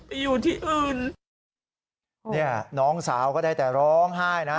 ไปอยู่ที่อื่นเนี่ยน้องสาวก็ได้แต่ร้องไห้นะ